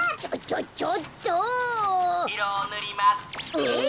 えっ？